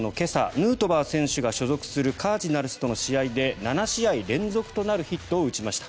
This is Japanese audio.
ヌートバー選手が所属するカージナルスとの試合で７試合連続となるヒットを打ちました。